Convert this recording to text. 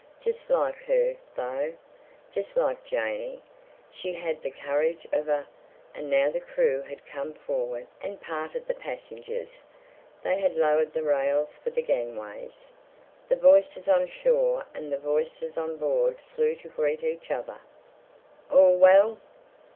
Just like her, though. Just like Janey. She had the courage of a—— And now the crew had come forward and parted the passengers; they had lowered the rails for the gangways. The voices on shore and the voices on board flew to greet each other. "All well?"